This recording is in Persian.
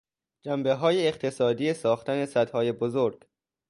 جنبه های اقتصادی ساختن سدهای بزرگ